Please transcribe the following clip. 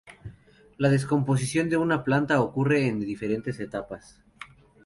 La descomposición de una planta ocurre en diferentes etapas.